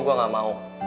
gue gak mau